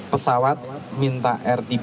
pesawat minta rtb